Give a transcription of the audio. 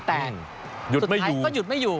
แต่สุดท้ายก็หยุดไม่อยู่